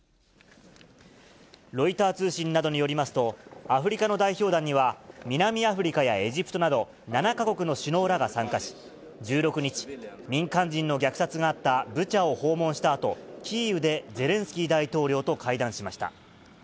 ロイター通信などによりますと、アフリカの代表団には南アフリカやエジプトなど７か国の首脳らが参加し、１６日、民間人の虐殺があったブチャを訪問したあと、キーウでゼレンスキー大統領と会談しました。